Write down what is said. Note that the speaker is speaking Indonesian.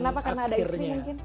kenapa karena ada istri mungkin